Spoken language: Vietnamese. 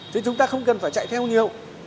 chứ chúng ta không cần phải chạy theo nhiều